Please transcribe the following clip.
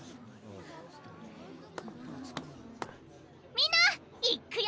みんないっくよ！